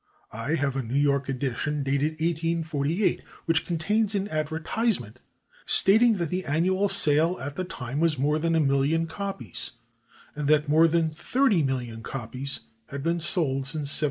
I have a New York edition, dated 1848, which contains an advertisement stating that the annual sale at that time was more than a million copies, and that more than 30,000,000 copies had been sold since 1783.